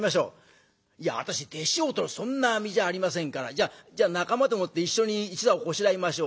「いや私弟子をとるそんな身じゃありませんからじゃあ仲間でもって一緒に一座をこしらえましょう」